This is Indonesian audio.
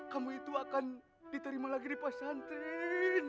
kamu itu akan diterima lagi di pesantren